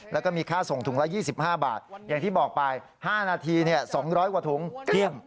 แล้วก็มีค่าส่งถุงละ๒๕บาทอย่างที่บอกไป๕นาที๒๐๐กว่าถุงเที่ยง